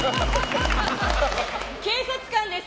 警察官です。